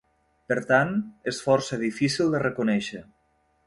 Per tant, és força difícil de reconèixer.